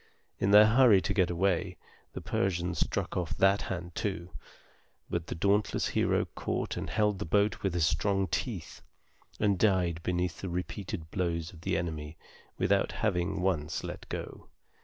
In their hurry to get away, the Persians struck off that hand too; but the dauntless hero caught and held the boat with his strong teeth, and died beneath the repeated blows of the enemy without having once let go.